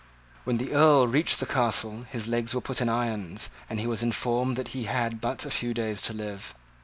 When the Earl reached the Castle his legs were put in irons, and he was informed that he had but a few days to live.